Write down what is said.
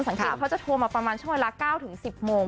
สังเกตเขาจะโทรมาประมาณช่วงเวลา๙ถึง๑๐โมง